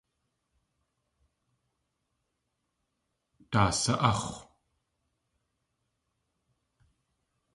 Daasa.áx̲w!